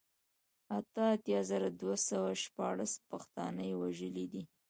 اته اتيا زره دوه سوه شپاړل پښتانه يې وژلي دي